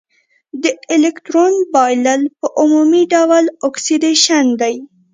د الکترون بایلل په عمومي ډول اکسیدیشن دی.